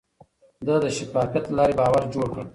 ده د شفافيت له لارې باور جوړ کړ.